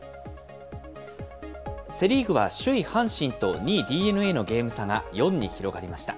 セ・リーグは首位阪神と２位ＤｅＮＡのゲーム差が４に広がりました。